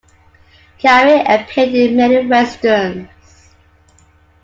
Carey appeared in many Westerns.